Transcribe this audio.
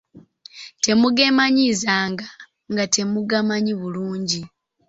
Temugeemanyiizanga nga temugamanyi bulungi.